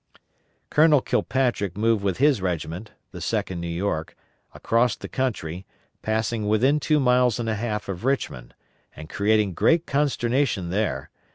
Colonel Kilpatrick moved with his regiment, the 2d New York, across the country, passing within two miles and a half of Richmond, and creating great consternation there.